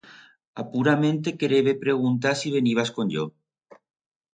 Apurament te querebe preguntar si venibas con yo.